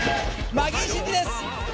マギー審司です！